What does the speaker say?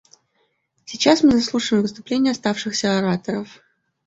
Сейчас мы заслушаем выступления оставшихся ораторов.